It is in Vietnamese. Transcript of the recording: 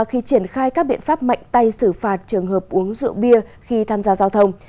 khi triển khai các biện pháp mạnh tay xử phạt trường hợp uống rượu bia khi tham gia giao thông